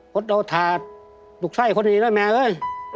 เพราะเราถ่าลูกชายคนอีกแล้วแม่เอ้ย